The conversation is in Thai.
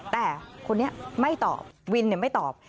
แต่คนนี้ไม่ตอบวินไม่ตอบ